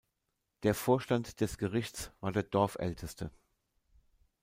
Der Vorstand des Gerichts war der Dorfälteste.